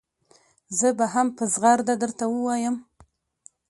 زه به هم په زغرده درته ووایم.